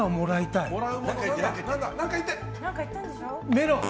メロン！